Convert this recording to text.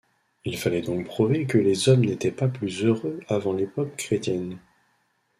Il fallait donc prouver que les hommes n'étaient pas plus heureux avant l'époque chrétienne.